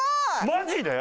マジで！？